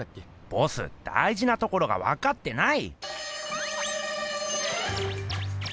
ボスだいじなところがわかってない！